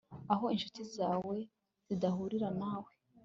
aho inshuti zawe zizahurira nawe